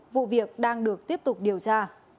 vụ việc đang được tiếp tục điều tra